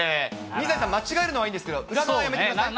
水谷さん、間違えるのはいいんですけど、裏側はやめてください。